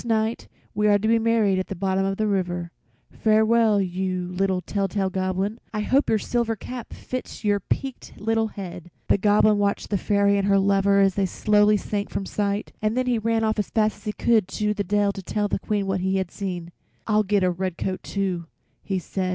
"This night we are to be married at the bottom of the river. Farewell, you little tell tale Goblin. I hope your silver cap fits your peaked little head." The Goblin watched the Fairy and her lover as they slowly sank from sight, and then he ran off as fast as he could to the dell to tell the Queen what he had seen. "I'll get a red coat, too," he said.